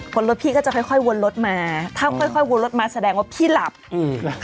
คนรถพี่ก็จะค่อยค่อยวนรถมาถ้าค่อยค่อยวนรถมาแสดงว่าพี่หลับอืมล่ะ